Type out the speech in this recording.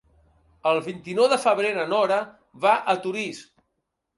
El vint-i-nou de febrer na Nora va a Torís.